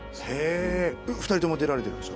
えっ２人とも出られてるんですか？